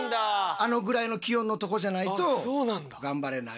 あのぐらいの気温のとこじゃないとがんばれない。